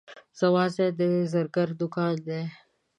زما ځای د زرګر دوکان دی.